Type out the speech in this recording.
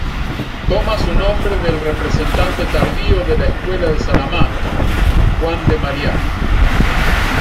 Toma su nombre del representante tardío de la Escuela de Salamanca, Juan de Mariana.